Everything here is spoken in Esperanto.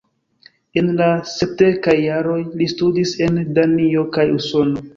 En la sepdekaj jaroj, li studis en Danio kaj Usono.